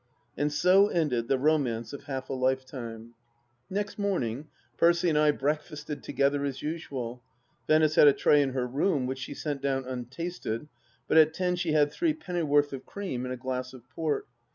And so ended the romance of half a lifetime ! Next morning Percy and I breakfasted together as usual. Venice had a tray ia her room, which she sent down untasted, but at ten she had three pennyworth of cream and a glass of port.